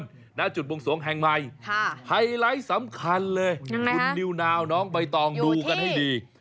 หน้าจุดบวงสวงแห่งใหม่ไฮไลท์สำคัญเลยคุณนิวนาวน้องใบตองดูกันให้ดี